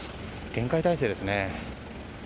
厳戒態勢ですね。